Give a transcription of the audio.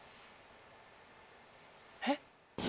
えっ。